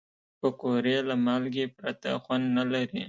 پکورې له مالګې پرته خوند نه لري